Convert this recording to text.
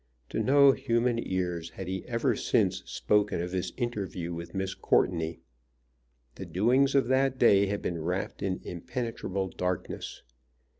To no human ears had he ever since spoken of his interview with Miss Courteney. The doings of that day had been wrapped in impenetrable darkness.